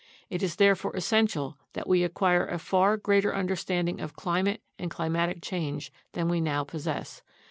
It is therefore essential that we acquire a far greater understanding of climate and climatic change than we now possess.